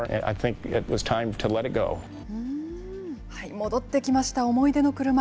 戻ってきました、思い出の車。